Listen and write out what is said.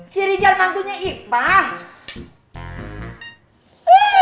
si rijal mantunya ipah